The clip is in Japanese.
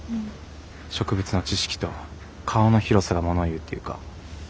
植物の知識と顔の広さがものをいうっていうか。